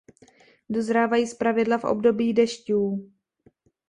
Dozrávají zpravidla v období dešťů.